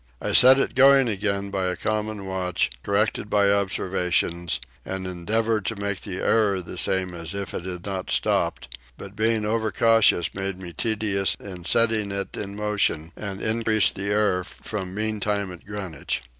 I set it going again by a common watch, corrected by observations, and endeavoured to make the error the same as if it had not stopped; but being over cautious made me tedious in setting it in motion, and increased the error from mean time at Greenwich.